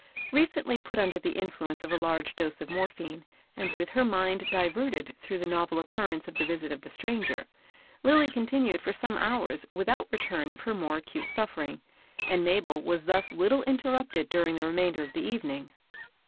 Recently put under the influence of a large dose of morphine, and with her mind diverted through the novel occurrence of the visit of the stranger, Lilly continued for some hours without return of her more acute suffering, and Mabel was thus little interrupted during the remainder of the evening.